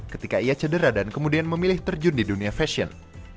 ketika ia cedera dan kemudian memilih terjun di dunia fashion